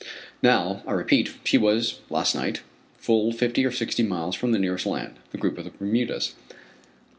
Now, I repeat, she was, last night, fully fifty or sixty miles from the nearest land, the group of the Bermudas.